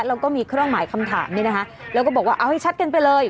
แล้วก็มีเครื่องหมายคำถามนี้นะคะแล้วก็บอกว่าเอาให้ชัดกันไปเลย